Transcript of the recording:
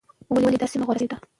ولې دا سیمه غوره شوې ده؟